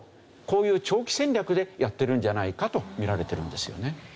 こういう長期戦略でやってるんじゃないかと見られてるんですよね。